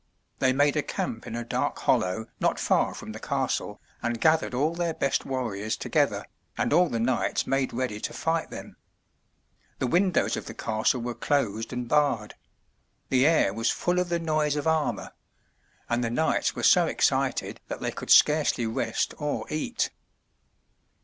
They made a camp in a dark hollow not far from the castle, and gathered all their best warriors together, and all the knights made ready to fight them. The windows of the castle were closed and barred; theair was full of the noise of armor; and the knights were so excited that they could scarcely rest or eat.